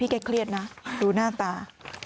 แกเครียดนะดูหน้าตา